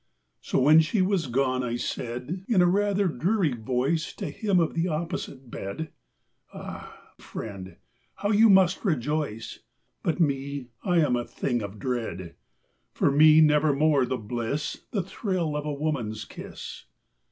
So when she was gone I said In rather a dreary voice To him of the opposite bed: "Ah, friend, how you must rejoice! But me, I'm a thing of dread. For me nevermore the bliss, The thrill of a woman's kiss."